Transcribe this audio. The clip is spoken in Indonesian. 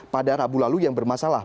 pada rabu lalu yang bermasalah